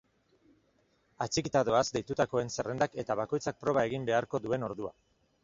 Atxikita doaz deitutakoen zerrendak eta bakoitzak proba egin beharko duen ordua.